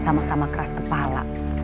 sama sama keras kepala